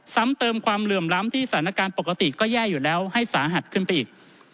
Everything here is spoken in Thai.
ซ้ำเติมความเหลื่อมล้ำที่สถานการณ์ปกติก็แย่อยู่แล้วให้สาหัสขึ้นไปอีก